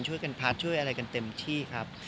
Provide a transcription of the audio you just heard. ช่วยกันพัดช่วยอะไรกันเต็มที่ครับ